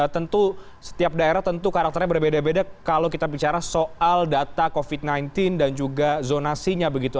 tentu setiap daerah tentu karakternya berbeda beda kalau kita bicara soal data covid sembilan belas dan juga zonasinya begitu